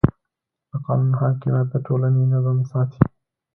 د قانون حاکمیت د ټولنې نظم ساتي.